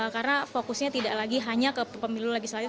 karena fokusnya tidak lagi hanya ke pemilu legislatif